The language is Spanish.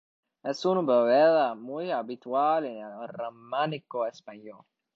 Es una bóveda muy habitual en el románico español.